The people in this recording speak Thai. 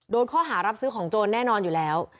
โดนข้อหารับซื้อของโจรแน่นอนอยู่แล้ว